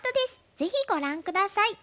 ぜひご覧下さい。